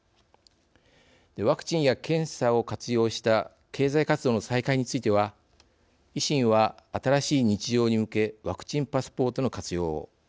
ワクチンや検査を活用した経済活動の再開については維新は、新しい日常に向け「ワクチンパスポートの活用」を。